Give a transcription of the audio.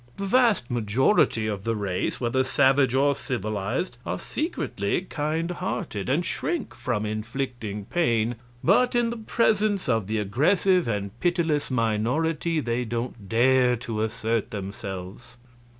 The vast majority of the race, whether savage or civilized, are secretly kind hearted and shrink from inflicting pain, but in the presence of the aggressive and pitiless minority they don't dare to assert themselves.